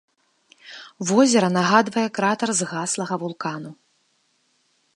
Возера нагадвае кратар згаслага вулкану.